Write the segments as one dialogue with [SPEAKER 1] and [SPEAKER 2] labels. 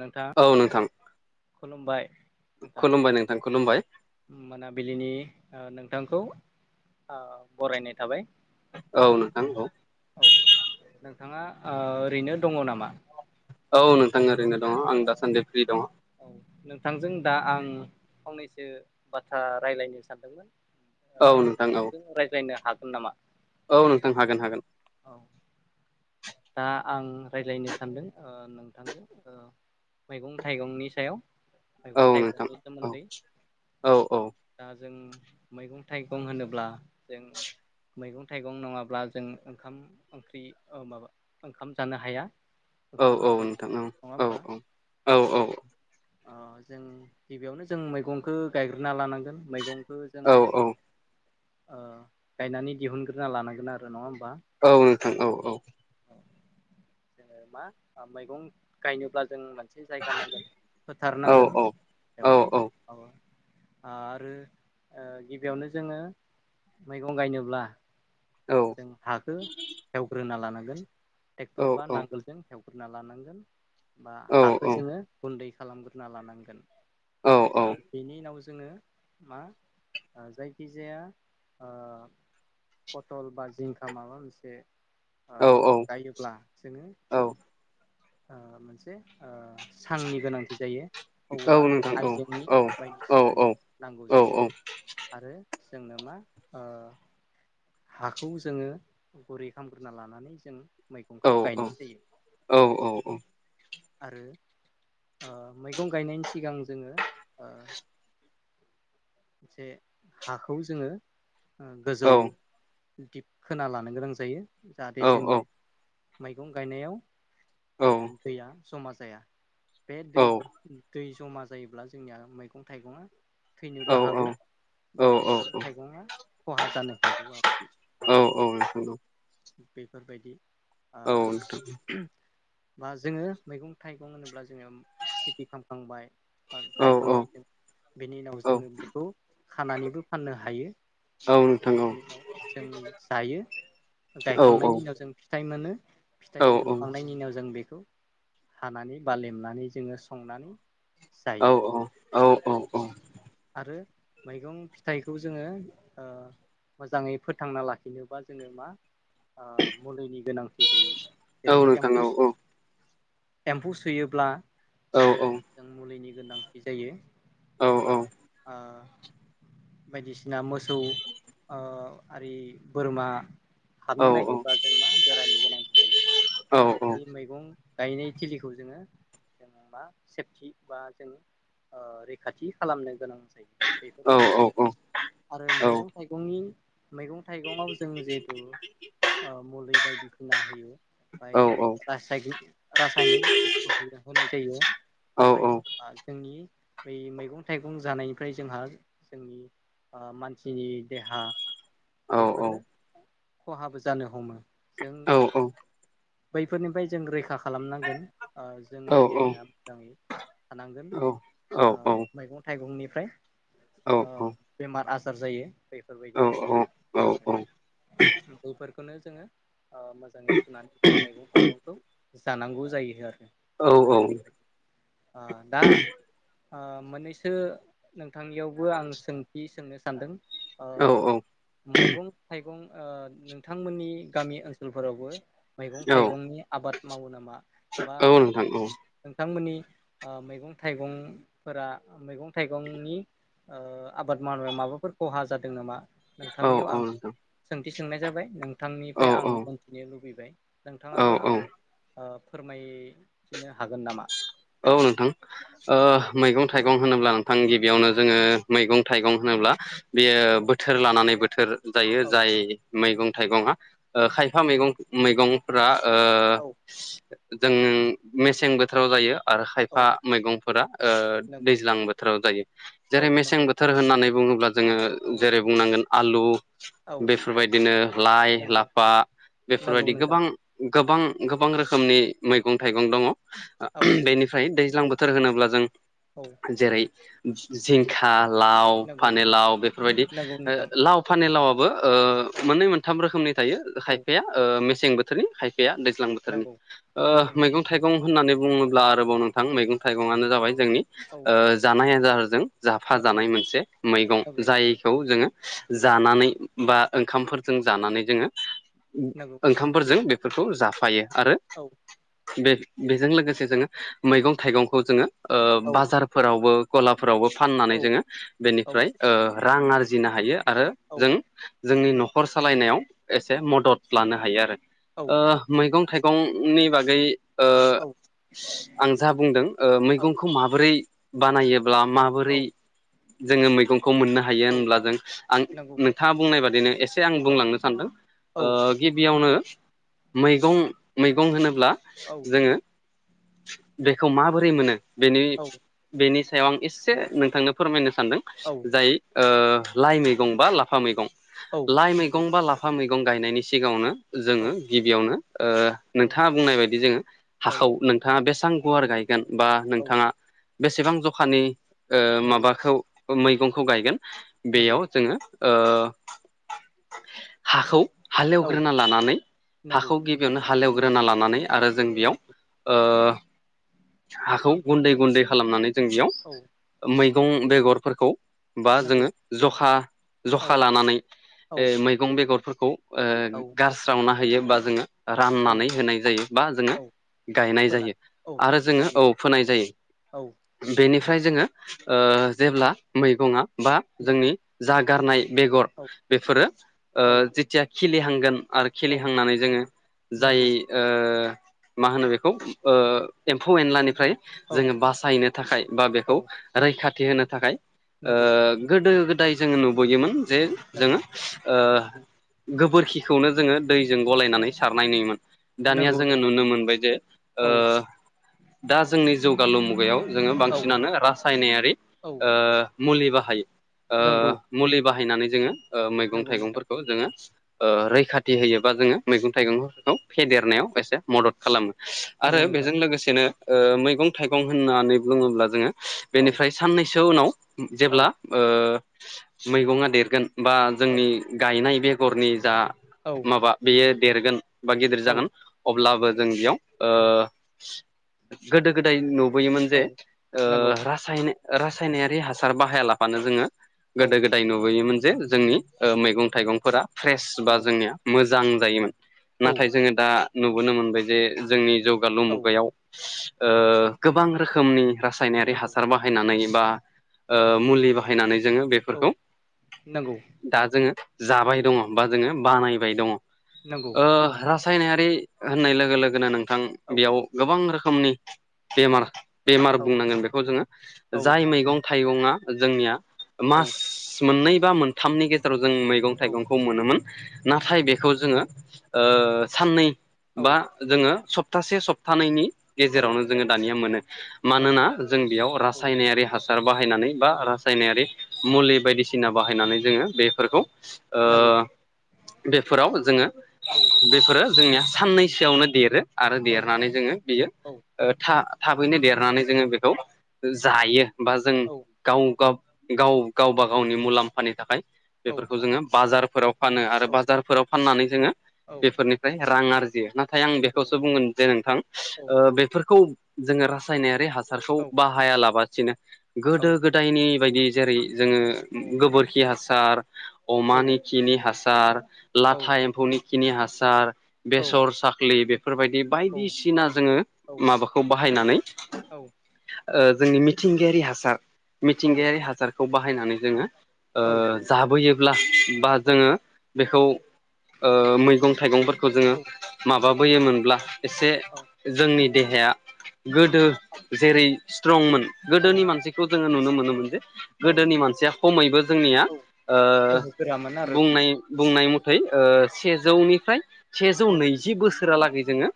[SPEAKER 1] नोंथां
[SPEAKER 2] औ नोंथां
[SPEAKER 1] खुलुमबाय नोंथां
[SPEAKER 2] खुलुमबाय नोंथां खुलुमबाय
[SPEAKER 1] मोनाबिलिनि नोंथांखौ बरायनाय थाबाय
[SPEAKER 2] औ नोंथां
[SPEAKER 1] औ नोंथाङा ओरैनो दङ नामा
[SPEAKER 2] औ नोंथां ओरैनो दङ
[SPEAKER 1] औ
[SPEAKER 2] आं दासानदि फ्रि दङ
[SPEAKER 1] औ नोंथांजों दा आं फंनैसो बाथ्रा रायज्लायनो सानदोंमोन ओ
[SPEAKER 2] औ नोंथां औ
[SPEAKER 1] नोंथांजों रायजायनो हागोन नामा
[SPEAKER 2] औ नोंथां हागोन हागोन
[SPEAKER 1] औ दा आं रायज्लायनो सानदों ओ नोंथांखौ मैगं थाइगंनि सायाव
[SPEAKER 2] औ
[SPEAKER 1] मैगं
[SPEAKER 2] नोंथां
[SPEAKER 1] थाइगंनि
[SPEAKER 2] औ
[SPEAKER 1] सोमोनदै
[SPEAKER 2] औ औ
[SPEAKER 1] दा जों मैगं थाइगं होनोब्ला जों मैगं थाइगं नङाब्ला जों ओंखाम ओंख्रि माबा ओंखाम जानो हाया।
[SPEAKER 2] औ औ
[SPEAKER 1] ओंखामफोरखौ
[SPEAKER 2] नोंथांनाव
[SPEAKER 1] नङा
[SPEAKER 2] औ औ औ औ।
[SPEAKER 1] अ जों गिबियावनो जों मैगंखौ गायग्रोना लानांगोन मैगं जों
[SPEAKER 2] औ
[SPEAKER 1] गायनानै दिहुनग्रोना लानांगोन आरो नङा होमबा?
[SPEAKER 2] औ नोंथां औ औ।
[SPEAKER 1] जोङो मा मैगं गायनोब्ला जों मोनसे जायगा नांगोन फोथार
[SPEAKER 2] औ
[SPEAKER 1] नांगोन
[SPEAKER 2] औ
[SPEAKER 1] बेवहाय औ आरो ओ गिबियावनो जोङो मैगं गायनोब्ला
[SPEAKER 2] औ
[SPEAKER 1] जों हाखौ एवग्रोना लानांगोन
[SPEAKER 2] औ
[SPEAKER 1] ट्रेक्टर बा
[SPEAKER 2] औ नोंथां औ
[SPEAKER 1] नांगोल जों हेवग्रोना लानांगोन बा हाखौ जोङो गुनदै खालामग्रोना लानांगोन। बेनि उनाव जोङो ओ मा जायखिजाया ओ फटल बा जिंखा माबा मोनसे ओ गायोब्ला जोङो ओ
[SPEAKER 2] औ ओ
[SPEAKER 1] ओ मोनसे ओ सांनि गोनांथि जायो। औवा आइजेंनि बादिसिनानि नांगौ जायो। आरो जोंनो मा ओ हाखौ जोङो गुरै खालामग्रोना लानानै जों मैगंखौ गायनाय जायो।
[SPEAKER 2] औ औ औ।
[SPEAKER 1] आरो ओ मैगं गायनायनि सिगां जोङो। जे हाखौ जोङो ओ गोजौ दिप खोना लानो गोनां जायो जाहाथे जोंनिआ मैगं गायनायाव दैया जमा जाया बे दैखौ दै जमा जायोब्ला जोंनिया मैगं थाइगङा थैनोबो हागौ। बा
[SPEAKER 2] औ औ
[SPEAKER 1] मैगं
[SPEAKER 2] औ
[SPEAKER 1] थाइगङा खहा जानो हागौ आरोखिना
[SPEAKER 2] औ औ नोंथां औ।
[SPEAKER 1] बेफोरबायदि आ आं बा जोङो मैगं थाइगं होनोब्ला जोङो खेथि खामखांबाय बा
[SPEAKER 2] औ
[SPEAKER 1] गायखांबाय जों बेनि उनाव
[SPEAKER 2] औ
[SPEAKER 1] जोङो बेखौ खानानैबो फाननो हायो।
[SPEAKER 2] औ नोंगौ
[SPEAKER 1] बिनि उनाव जों जायो
[SPEAKER 2] औ औ
[SPEAKER 1] गायखांनायनि उनाव जोङो फिथाइ मोनो
[SPEAKER 2] औ
[SPEAKER 1] फिथाइ मोनखांनायनि उनाव जों बेखौओ बेखौ हानानै बा लेमनानै जोङो संनानैओ
[SPEAKER 2] औ औ औ औ औ।
[SPEAKER 1] आरो मैगं-फिथाइखौ जोङो मोजाङै फोथांना लाखिनोबा जोङो मा ओ मुलिनि गोनांथि जायो जेरै
[SPEAKER 2] नोंथां औ
[SPEAKER 1] एम्फौ सु
[SPEAKER 2] औ
[SPEAKER 1] एम्फौ सुयोब्ला।
[SPEAKER 2] औ औ
[SPEAKER 1] जों मुलिनि गोनांथि जायो बा आ बायदिसिना मोसौ ओ आरि बोरमा हाबनो नागिरबा जों मा बेरानि गोनांथि जायो। बे मैगं गायनाय थिलिखौ जोङो। जों मा सेफटि बा जों ओ रैखाथि खालामनो गोनां जायो बेफोरबायदिया आरो मैगं थाइगंनि मैगं थाइगङाव जों जिहेतु मुलै बायदिसिना होयो। याव रासायनिक रासायनिक बुस्थु होनाय जायो। बेवहाय जोंनि बै मैगं थाइ गं जानायनिफ्राय जोंहा जोंनि मानसिनि देहा
[SPEAKER 2] औ नोंथां औ नोंथां औ
[SPEAKER 1] बेफोरो खहाबो जानो हमो जों बैफोरनिफ्राय जों रैखा खालामनांगोन जोंनि देहाया मोजाङै थानांगोन आ मैगं थाइगंनिफ्राय बेमार आजार जायो बेफोरबायदि आरो बैफोरखौनो जोङो मोजाङै सुनानै जों मैगं थाइगंखौ जानांगौ जायो आरो [unintelligible] ओ दा मोननैसो नोंथांनियावबो आं सोंथि सोंनो सानदों ओ मैगं थाइगं ओ नोंथांमोननि गामि ओनसोलफोरावबो मैगं थाइगंनि आबाद मावो नामा बा नोंथांमोननि मैगं थाइगंफोरा मैगं थाइगंनि ओ आबाद मावनायाव माबाफोर खहा जादों नामा नोंथांनियाव आं सोंथि सोंनाय जाबाय नोंथांनिफ्राय आं मोनथिनो लुबैबाय नोंथाङाबो आंनो ओ फोरमायथिनो हागोन नामा?
[SPEAKER 2] औ नोंथां ओ मैगं थाइगं होनोब्ला नोंथां गिबियावनो जोङो मैगं थाइगं होनोब्ला बियो बोथोर लानानै बोथोर जायो
[SPEAKER 1] औ
[SPEAKER 2] जाय मैगं थाइगङा ओ खायफा मैगं मैगं फ्रा ओ
[SPEAKER 1] औ
[SPEAKER 2] जों
[SPEAKER 1] औ
[SPEAKER 2] मेसें बोथोराव जायो आरो
[SPEAKER 1] औ
[SPEAKER 2] खायफा मैगंफोरा ओ
[SPEAKER 1] नंगौ
[SPEAKER 2] दैज्लां बोथोराव जायो
[SPEAKER 1] औ
[SPEAKER 2] जेरै मेसें
[SPEAKER 1] नंगौ
[SPEAKER 2] बोथोर
[SPEAKER 1] नोंथां
[SPEAKER 2] होननानै बुङोब्ला जोङो
[SPEAKER 1] औ
[SPEAKER 2] जेरै बुंनांगोन आलु
[SPEAKER 1] औ
[SPEAKER 2] बेफोरबायदिनो लाइ
[SPEAKER 1] नंगौ
[SPEAKER 2] लाफा
[SPEAKER 1] नंगौ
[SPEAKER 2] बेफोरबायदि
[SPEAKER 1] नोंथां
[SPEAKER 2] गोबां गोबां गोबां रोखोमनि मैगं थाइगं
[SPEAKER 1] औ
[SPEAKER 2] दङ बेनिफ्राय दैज्लां बोथोर होनोब्ला जों
[SPEAKER 1] औ
[SPEAKER 2] जेरै जिंखा लाव
[SPEAKER 1] नंगौ
[SPEAKER 2] फानि लाव बेफोरबायदि
[SPEAKER 1] नंगौ
[SPEAKER 2] ओ
[SPEAKER 1] नोंथां
[SPEAKER 2] लाव फानि लावाबो ओ
[SPEAKER 1] औ
[SPEAKER 2] मोननै मोनथाम रोखोमनि थायो
[SPEAKER 1] औ
[SPEAKER 2] खायफाया ओ मेसें बोथोरनि खायफा या दैज्लां बोथोरनि
[SPEAKER 1] नंगौ
[SPEAKER 2] ओ
[SPEAKER 1] नंगौ नोंथां
[SPEAKER 2] मैगं थाइगं होननानै बुङो ब्ला आरोबाव नोंथां मैगं थाइगङानो जाबाय जोंनि
[SPEAKER 1] औ
[SPEAKER 2] जानाय ओ आदारजों
[SPEAKER 1] नंगौ
[SPEAKER 2] जाफाजानाय मोनसे मैगं
[SPEAKER 1] नंगौ
[SPEAKER 2] जायखौ जोङो जानानै बा ओंखामफोरजों जानानै जोङो
[SPEAKER 1] नंगौ नोंथां
[SPEAKER 2] ओंखामफोरजों बेफोरखौ जाफायो आरो
[SPEAKER 1] औ
[SPEAKER 2] बे बेजों लोगोसे जोङो मैगं थाइगंखौ जोङो ओ
[SPEAKER 1] औ
[SPEAKER 2] बाजारफोरावबो गलाफोरावबो फाननानै
[SPEAKER 1] औ
[SPEAKER 2] जोङो
[SPEAKER 1] औ
[SPEAKER 2] बेनिफ्राय ओ रां आरजिनो हायो आरो
[SPEAKER 1] औ
[SPEAKER 2] जों जोंनि
[SPEAKER 1] नों
[SPEAKER 2] नखर सालायनायाव एसे मदद लानो हायो आरो
[SPEAKER 1] औ
[SPEAKER 2] ओ मैगं थाइगंनि बागै ओ
[SPEAKER 1] औ
[SPEAKER 2] आं जा बुंदों ओ
[SPEAKER 1] औ
[SPEAKER 2] मैगंखौ माबोरै बानायोब्ला माबोरै
[SPEAKER 1] औ
[SPEAKER 2] जोङो मैगंखौ मोननो हायो
[SPEAKER 1] औ
[SPEAKER 2] होनब्ला जों आं
[SPEAKER 1] नंगौ
[SPEAKER 2] नोंथाङा बुंनाय बादिनो एसे आं
[SPEAKER 1] औ
[SPEAKER 2] बुंलांनो सानदों ओ
[SPEAKER 1] औ
[SPEAKER 2] गिबियावनो मैगं मैगं होनोब्ला
[SPEAKER 1] औ
[SPEAKER 2] जोङो बेखौ माबोरै मोनो बेनि बेनि सायाव आं एससे नोंथांनो फोरमायनो सानदों जाय ओ लाइ मैगं बा लाफा मैगं
[SPEAKER 1] औ
[SPEAKER 2] लाइ मैगं
[SPEAKER 1] नंगौ
[SPEAKER 2] बा ला फा मैगं गायनायनि सिगाङावनो
[SPEAKER 1] औ
[SPEAKER 2] जोङो गिबियावनो ओ
[SPEAKER 1] औ
[SPEAKER 2] नोंथाङा बुंनाय बायदि जोङो
[SPEAKER 1] औ
[SPEAKER 2] हाखौ नोंथाङा बेसेबां गुवार
[SPEAKER 1] औ
[SPEAKER 2] गायगोन बा
[SPEAKER 1] औ
[SPEAKER 2] नोंथाङा बेसेबां जखानि ओ
[SPEAKER 1] नंगौ
[SPEAKER 2] माबाखौ मैगंखौ गायगोन
[SPEAKER 1] नंगौ
[SPEAKER 2] बेयाव जोङो ओ हाखौ
[SPEAKER 1] औ
[SPEAKER 2] हालेवग्रोना लानानै
[SPEAKER 1] नंगौ
[SPEAKER 2] हाखौ गि बियावनो हालेवग्रोना लानानै आरो जों बेयाव
[SPEAKER 1] नंगौ
[SPEAKER 2] ओ हाखौ गुन्दै गुन्दै खालामनानै जों बेयाव
[SPEAKER 1] औ
[SPEAKER 2] मैगं बेगरफोरखौ बा जोङो
[SPEAKER 1] नंगौ
[SPEAKER 2] जखा
[SPEAKER 1] औ
[SPEAKER 2] जखा लानानै
[SPEAKER 1] औ
[SPEAKER 2] मैगं बेगरफोरखौ
[SPEAKER 1] औ
[SPEAKER 2] गारस्रावना होयो बा जोङो
[SPEAKER 1] औ
[SPEAKER 2] राननानै होनाय जायो बा जोङो
[SPEAKER 1] औ
[SPEAKER 2] गायनाय जायो
[SPEAKER 1] खोनादों औ
[SPEAKER 2] आरो जोङो
[SPEAKER 1] दानि
[SPEAKER 2] औ
[SPEAKER 1] जुग
[SPEAKER 2] फोनाय
[SPEAKER 1] औ
[SPEAKER 2] जायो बेनिफ्राय जोङो जेब्ला मैगंङा बा
[SPEAKER 1] नंगौ
[SPEAKER 2] जोंनि जा गारनाय बेगर
[SPEAKER 1] औ
[SPEAKER 2] बेफोरो
[SPEAKER 1] औ
[SPEAKER 2] जेथिया खिलिहांगोन आरो
[SPEAKER 1] औ
[SPEAKER 2] खिलिहांनानै जोङो जाय
[SPEAKER 1] नंगौ
[SPEAKER 2] मा होनो बेखौ एम्फौ एनलानिफ्राय
[SPEAKER 1] औ
[SPEAKER 2] जोङो बासायनो थाखाय बा
[SPEAKER 1] औ
[SPEAKER 2] बेखौ रैखाथि होनो थाखाय
[SPEAKER 1] नंगौ
[SPEAKER 2] गोदो गोदाय जोङो नुबोयोमोन जे
[SPEAKER 1] नंगौ
[SPEAKER 2] जोङो गोबोरखिखौनो जोङो दैजों
[SPEAKER 1] औ
[SPEAKER 2] गलायनानै सारनाय नुयोमोन दानिया
[SPEAKER 1] नंगौ
[SPEAKER 2] जोङो
[SPEAKER 1] नोंथां
[SPEAKER 2] नुनो मोनबाय जे
[SPEAKER 1] औ
[SPEAKER 2] दा जोंनि जौगालु मुगायाव जोङो
[SPEAKER 1] औ
[SPEAKER 2] बांसिनानो रासायनारि
[SPEAKER 1] औ
[SPEAKER 2] मुलि बाहायो
[SPEAKER 1] नंगौ
[SPEAKER 2] मुलि बाहायनानै जोङो मैगं
[SPEAKER 1] नंगौ नोंथां
[SPEAKER 2] थाइगंफोरखौ जोङो रैखाथि होयोबा जोङो मैगं थाइगंफोरखौ फेदेरनायाव एसे मदद खालामो आरो
[SPEAKER 1] नंगौ नोंथां
[SPEAKER 2] बेजों लोगोसेनो मैगं थाइगं होननानै बुङोब्ला जोङो
[SPEAKER 1] औ
[SPEAKER 2] बेनिफ्राय साननैसो उनाव
[SPEAKER 1] औ
[SPEAKER 2] जेब्ला मैगङा देरगोन बा
[SPEAKER 1] औ
[SPEAKER 2] जोंनि गायनाय बेगरनि जा
[SPEAKER 1] औ
[SPEAKER 2] माबा बेयो देरगोन बा गिदिर
[SPEAKER 1] औ
[SPEAKER 2] जागोन अब्लाबो जों
[SPEAKER 1] औ
[SPEAKER 2] बेयाव गोदो गोदाय नुबोयोमोन जे
[SPEAKER 1] औ नंगौ
[SPEAKER 2] रासायनारि हासार बाहाया लाबानो जोङो
[SPEAKER 1] औ
[SPEAKER 2] गोदो गो दाय नुबोयोमोन जे जोंनि मैगं थाइगंफोरा फ्रेस बा
[SPEAKER 1] नंगौ
[SPEAKER 2] जोंनिया मोजां जायोमोन
[SPEAKER 1] औ
[SPEAKER 2] नाथाय जोङो दा नुबोनो मोनबाय जे जोंनि जौगालु
[SPEAKER 1] औ
[SPEAKER 2] मुगायाव गोबां रोखोमनि रासायनारि
[SPEAKER 1] नंगौ
[SPEAKER 2] हासार बा बाहायनानै बा मुलि बाहायनानै जोङो
[SPEAKER 1] औ
[SPEAKER 2] बेफोरखौ
[SPEAKER 1] नंगौ
[SPEAKER 2] दा जोङो जाबाय दङ बा जोङो बानायबाय दङ
[SPEAKER 1] नंगौ
[SPEAKER 2] रासायनायारि होननाय लोगो लोगोनो नोंथां
[SPEAKER 1] औ
[SPEAKER 2] बेयाव गोबां रोखोमनि बेमार बेमार
[SPEAKER 1] औ
[SPEAKER 2] बुंनांगोन बेखौ जोङो
[SPEAKER 1] औ
[SPEAKER 2] जाय मैगं थाइगङा जोंनिया
[SPEAKER 1] औ
[SPEAKER 2] मास मास मोननै बा मोनथामनि गेजेराव जों मैगं
[SPEAKER 1] औ
[SPEAKER 2] थाइगंखौ मोनोमोन नाथाय
[SPEAKER 1] नंगौ
[SPEAKER 2] बेखौ जोङो साननै
[SPEAKER 1] औ
[SPEAKER 2] बा जोङो सप्तासे सप्थानैनि
[SPEAKER 1] औ
[SPEAKER 2] गेजेरावनो जोङो दानिया मोनो
[SPEAKER 1] मोनो
[SPEAKER 2] मानोना जों बेयाव
[SPEAKER 1] औ
[SPEAKER 2] रासायनारि हासार बाहायनानै बा
[SPEAKER 1] नंगौ
[SPEAKER 2] रासायनारि मुलि बायदिसिना बाहायनानै जोङो
[SPEAKER 1] औ
[SPEAKER 2] बेफोरखौ
[SPEAKER 1] नंगौ
[SPEAKER 2] बेफोराव जोङो
[SPEAKER 1] औ
[SPEAKER 2] बेफोरो जोंनिया साननैसोआवनो देरो आरो
[SPEAKER 1] औ
[SPEAKER 2] देरनानै जोङो बियो
[SPEAKER 1] औ
[SPEAKER 2] थाबैनो
[SPEAKER 1] नंगौ
[SPEAKER 2] देरनानै जोङो बेखौ जायो बा जों
[SPEAKER 1] औ
[SPEAKER 2] गाव ग गाव गावबा गावनि मुलाम्फानि थाखाय
[SPEAKER 1] औ
[SPEAKER 2] बेफोरखौ जोङो बाजारफोराव फानो आरो
[SPEAKER 1] औ
[SPEAKER 2] बाजारफोराव फाननानै जोङो
[SPEAKER 1] औ
[SPEAKER 2] बेफोरनि रां आरजियो नाथाय नाथाय आं
[SPEAKER 1] नंगौ
[SPEAKER 2] बेखौसो बुंगोन जे नोंथां
[SPEAKER 1] औ
[SPEAKER 2] बेफोरखौ जोङो रासायनारि हासारखौ
[SPEAKER 1] औ
[SPEAKER 2] बा हायालाबसिनो
[SPEAKER 1] औ
[SPEAKER 2] गोदो गोदायनि बायदि जेरै जोङो गोबोरखि हा सार अमानि खिनि हासार
[SPEAKER 1] औ
[SPEAKER 2] लाथा एम्फौनि खिनि हासार बेसर साख्लि बेफोरबायदि बायदिसिना जोङो
[SPEAKER 1] औ
[SPEAKER 2] माबाखौ बाहायनानै जोंनि
[SPEAKER 1] नंगौ
[SPEAKER 2] मिथिंगायारि हासार
[SPEAKER 1] औ
[SPEAKER 2] मिथिंगायारि हासार खौ बाहायनानै जोङो जाबोयोब्ला बा जोङो
[SPEAKER 1] औ
[SPEAKER 2] बेखौ मैगं थाइगंफोरखौ
[SPEAKER 1] औ
[SPEAKER 2] जोङो माबाबोयोमोनब्ला एसे जोंनि देहाया गोदो जेरै स्ट्रंमोन
[SPEAKER 1] गोहो
[SPEAKER 2] गोदोनि मानसिखौ जोङो नुनो मोनोमोन जे गोदोनि मानसिया खमैबो जोंनिया
[SPEAKER 1] गोरामोन आरो
[SPEAKER 2] बुंनाय बुंनाय
[SPEAKER 1] औ
[SPEAKER 2] मथै सेजौनिफ्राय सेजौ
[SPEAKER 1] औ
[SPEAKER 2] नैजि बोसोरलागै जोङो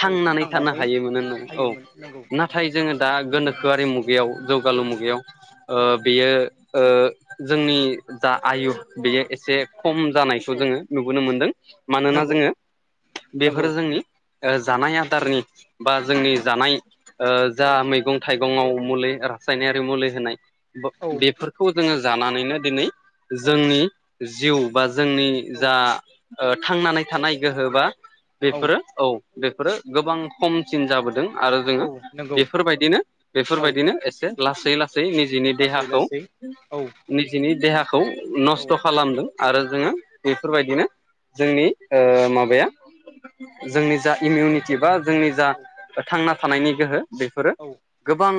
[SPEAKER 2] थांनानै थानो हायोमोन औ
[SPEAKER 1] हायोमोन नंगौ
[SPEAKER 2] ना थाय जोङो दा गोनोखोआरि मुगायाव
[SPEAKER 1] औ
[SPEAKER 2] जौगालु मुगायाव
[SPEAKER 1] औ
[SPEAKER 2] बेयो ओ जोंनि जा आयु बेयो एसे खम
[SPEAKER 1] औ
[SPEAKER 2] जानायखौ जोङो नुबोनो मोनदों मानोना
[SPEAKER 1] नंगौ
[SPEAKER 2] जोङो
[SPEAKER 1] नंगौ
[SPEAKER 2] बेफोरो जोंनि जानाय आदारनि बा जोंनि जानाय
[SPEAKER 1] औ
[SPEAKER 2] जा मैगं थाइगङाव मुलि रासायनारि मुलि होनाय
[SPEAKER 1] औ
[SPEAKER 2] बेफोरखौ जोङो जानानैनो दिनै
[SPEAKER 1] औ
[SPEAKER 2] जोंनि जिउ बा जोंनि
[SPEAKER 1] औ
[SPEAKER 2] जा थांनानै थानाय गोहो बा
[SPEAKER 1] हानाय
[SPEAKER 2] बेफोरो औ बेफोरो गोबां खमसिन जाबोदों। आरो जोङो
[SPEAKER 1] औ नंगौ
[SPEAKER 2] बेफोरबायदिनो
[SPEAKER 1] औ
[SPEAKER 2] बेफोरबायदिनो एसे लासै लासै निजिनि
[SPEAKER 1] लासै लासै औ
[SPEAKER 2] देहाखौ
[SPEAKER 1] औ
[SPEAKER 2] नस्थ' खालामदों। आरो
[SPEAKER 1] औ
[SPEAKER 2] जोङो बेफोरबायदिनो
[SPEAKER 1] औ
[SPEAKER 2] जोंनि ओ माबाया जोंनि जा इमिउनिटि बा जोंनि जा
[SPEAKER 1] औ
[SPEAKER 2] थांना थानायनि गोहो बेफोरो
[SPEAKER 1] औ
[SPEAKER 2] गोबां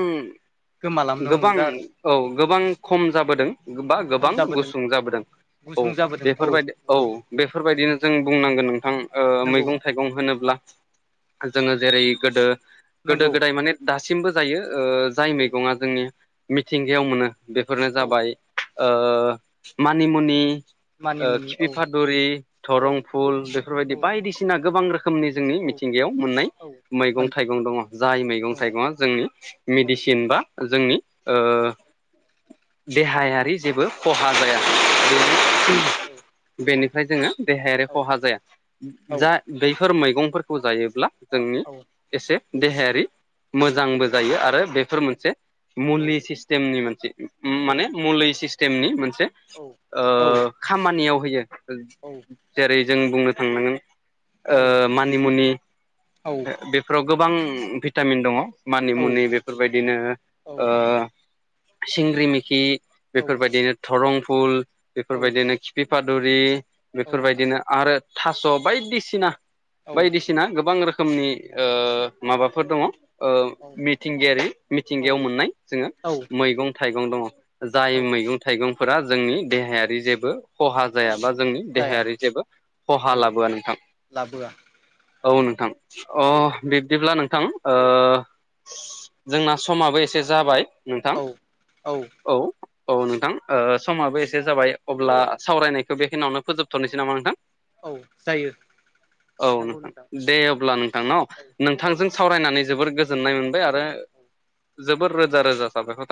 [SPEAKER 1] गोमालांनो
[SPEAKER 2] गोबां
[SPEAKER 1] हमदों आरो
[SPEAKER 2] औ गोबां खम जाबोदों। बा
[SPEAKER 1] खम
[SPEAKER 2] गोबां
[SPEAKER 1] जाबोदों
[SPEAKER 2] गुसुं जाबोदों
[SPEAKER 1] गुसुं
[SPEAKER 2] औ
[SPEAKER 1] जाबोदों
[SPEAKER 2] बेफोरबायदि औ बेफोरबायदिनो जों बुंनांगोन नोंथां ओ
[SPEAKER 1] नंगौ
[SPEAKER 2] मैगं थाइगं होनोब्ला जोङो जेरै गोदो गोदो
[SPEAKER 1] नंगौ
[SPEAKER 2] गोदाय माने दासिमबो जायो ओ जाय
[SPEAKER 1] औ
[SPEAKER 2] मैगङा जोंनि मिथिंगायाव मोनो बेफोरनो
[SPEAKER 1] औ
[SPEAKER 2] जाबाय ओ मानिमुनि
[SPEAKER 1] मानि
[SPEAKER 2] ओ
[SPEAKER 1] मुनि
[SPEAKER 2] खिफि
[SPEAKER 1] औ
[SPEAKER 2] फादुरि
[SPEAKER 1] औ
[SPEAKER 2] धरं फुल बेफोरबायदि
[SPEAKER 1] औ
[SPEAKER 2] बायदिसिना गोबां रोखोमनि जोंनि
[SPEAKER 1] औ
[SPEAKER 2] मिथिंगायाव मोननाय
[SPEAKER 1] औ
[SPEAKER 2] मैगं
[SPEAKER 1] मोन
[SPEAKER 2] थाइगं दङ जाय मैगं
[SPEAKER 1] दङ
[SPEAKER 2] थाइगङा जोंनि
[SPEAKER 1] औ
[SPEAKER 2] मेडिसिन बा जोंनि ओ
[SPEAKER 1] औ
[SPEAKER 2] देहायारि जेबो खहा जाया।
[SPEAKER 1] जाया औ
[SPEAKER 2] [inaudible] बेनिफ्राय जोङो देहायारि
[SPEAKER 1] औ
[SPEAKER 2] खहा जाया जा बैफोर मैगंफोरखौ जायोब्ला जोंनि
[SPEAKER 1] औ
[SPEAKER 2] एसे देहायारि
[SPEAKER 1] औ
[SPEAKER 2] मोजांबो जायो आरो बेफोर
[SPEAKER 1] जायो
[SPEAKER 2] मोनसे
[SPEAKER 1] औ
[SPEAKER 2] मुलि सिस्टेमनि मोनसे
[SPEAKER 1] औ
[SPEAKER 2] माने मुलि सिस टेमनि मोनसे
[SPEAKER 1] औ औ
[SPEAKER 2] ओ खामानियाव होयो
[SPEAKER 1] औ
[SPEAKER 2] जेरै जों बुनो
[SPEAKER 1] औ
[SPEAKER 2] ओ मानिमुनि बेफोराव गोबां भिटामिन दङ। मानि मुनि
[SPEAKER 1] औ
[SPEAKER 2] बेफोरबायदिनो ओ
[SPEAKER 1] औ
[SPEAKER 2] सिंग्रि मिख्रि बेफोरबायदिनो धरं फुल बेफोरबायदिनो खिफिफादुरि बेफोरबायदिनो आरो थास' बायदिसिना बायदिसि ना गोबां रोखोमनि ओ माबाफोर दङ। ओ मिथिंगायारि मिथिंगायाव मोननाय जोङो मैगं थाइगं दङ जाय मैगं थाइगंफोरा जोंनि देहायारि जेबो खहा
[SPEAKER 1] औ
[SPEAKER 2] जाया बा जोंनि
[SPEAKER 1] जाया
[SPEAKER 2] देहायारि जेबो खहा लाबोया नोंथां।
[SPEAKER 1] लाबोया।
[SPEAKER 2] औ नोंथां अ बिब्दिब्ला नोंथां ओ
[SPEAKER 1] औ
[SPEAKER 2] अ जोंना समाबो एसे जाबाय नोंथां।
[SPEAKER 1] औ
[SPEAKER 2] औ औ नोंथां ओ समाबो एसे जाबाय अब्ला सावरायनाय बखौ बेनियावनो फोजोबथ'सै नामा नोंथां?
[SPEAKER 1] औ जायो।
[SPEAKER 2] औ
[SPEAKER 1] नंगौ नोंथां
[SPEAKER 2] दे अब्ला नोंथां न
[SPEAKER 1] औ औ
[SPEAKER 2] नोंथांजों सावरायनानै जोबोर
[SPEAKER 1] औ
[SPEAKER 2] गोजोननाय मोनबाय आरो
[SPEAKER 1] औ
[SPEAKER 2] जोबोर रोजा रोजा साबायखर थाबाय।